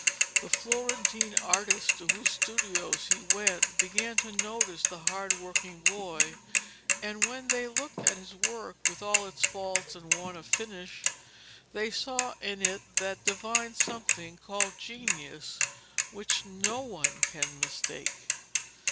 The Florentine artists to whose studios he went began to notice the hardworking boy, and when they looked at his work, with all its faults and want of finish, they saw in it that divine something called genius which no one can mistake.